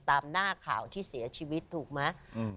ตามหน้าข่าวที่เสียชีวิตถูกไหม